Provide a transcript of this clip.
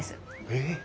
えっ。